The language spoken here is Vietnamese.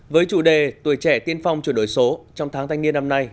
với chủ đề tuổi trẻ tiên phong chuyển đổi số trong tháng thanh niên năm nay